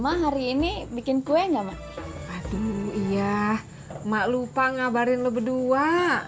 ma hari ini bikin kue enggak ma iya ma lupa ngabarin lo berdua